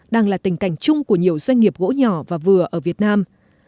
đang là tình cảnh chung của nhiều doanh nghiệp gỗ nhỏ và vừa ở việt nam